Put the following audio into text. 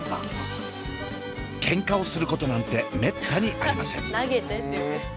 ケンカをすることなんてめったにありません。